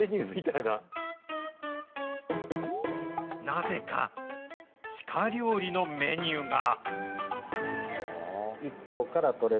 なぜか、シカ料理のメニューが。